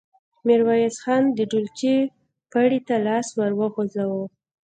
ميرويس خان د ډولچې پړي ته لاس ور وغځاوه.